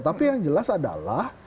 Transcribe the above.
tapi yang jelas adalah